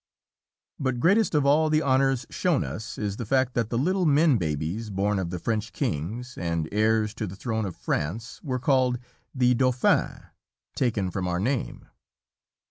But greatest of all the honors shown us, is the fact that the little men babies born of the French kings, and heirs to the throne of France, were called "the Dauphin," taken from our name.